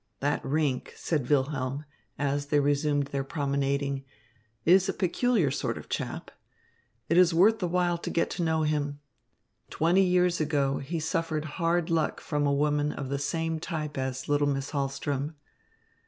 "That Rinck," said Wilhelm, as they resumed their promenading, "is a peculiar sort of chap. It is worth the while to get to know him. Twenty years ago he suffered hard luck from a woman of the same type as little Miss Hahlström.